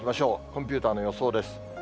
コンピューターの予想です。